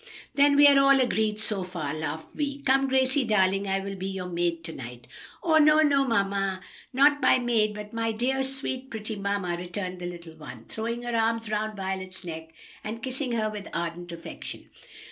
"Then we are all agreed so far," laughed Vi. "Come, Gracie, darling, I will be your maid to night." "No, no! not my maid, but my dear, sweet, pretty mamma!" returned the little one, throwing her arms around Violet's neck and kissing her with ardent affection.